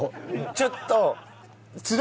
ちょっと。